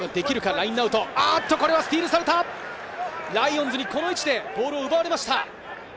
ライオンズにこの位置でボールを奪われました。